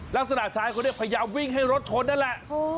ลักษณะชายคนนี้พยายามวิ่งให้รถชนนั่นแหละ